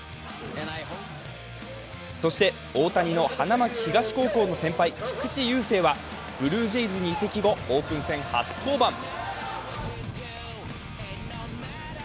そして、大谷の花巻東高校の先輩菊池雄星はブルージェイズに移籍後オープン戦初登板。